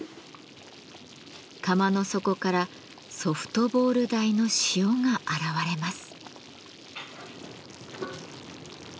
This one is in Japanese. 釜の底からソフトボール大の塩が現れます。